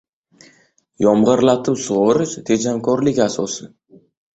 Yomg‘irlatib sug‘orish – tejamkorlik asosi